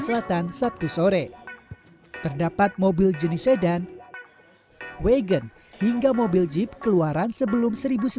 selatan sabtu sore terdapat mobil jenis sedan wagon hingga mobil jeep keluaran sebelum seribu sembilan ratus sembilan puluh